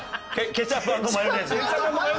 ケチャップ＆マヨネーズ？